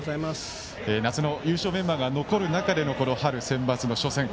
夏の優勝メンバーが残る中でのこの春センバツの初戦。